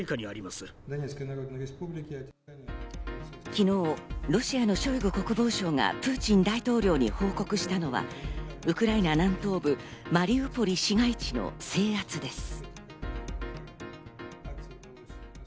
昨日、ロシアのショイグ国防相がプーチン大統領に報告したのは、ウクライナ南東部マリウポリ市街地の制圧です。